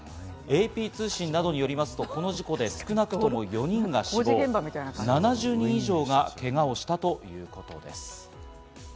ＡＰ通信などによりますと、この事故で少なくとも４人が死亡、７０人以上がけがをしたということです。